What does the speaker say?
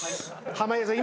濱家さん